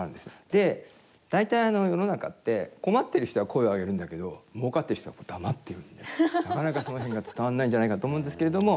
で大体世の中って困ってる人は声を上げるんだけどもうかっている人は黙っているんでなかなかその辺が伝わらないんじゃないかと思うんですけれども。